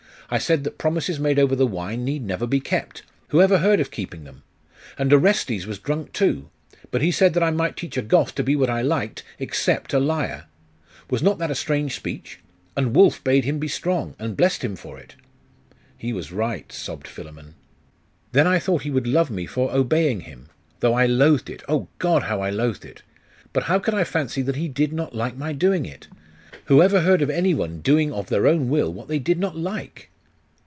I said that promises made over the wine need never be kept. Who ever heard of keeping them? And Orestes was drunk, too. But he said that I might teach a Goth to be what I liked, except a liar.... Was not that a strange speech?.... And Wulf bade him be strong, and blest him for it.' 'He was right,' sobbed Philammon. 'Then I thought he would love me for obeying him, though I loathed it! Oh, God, how I loathed it!.... But how could I fancy that he did not like my doing it? Who ever heard of any one doing of their own will what they did not like?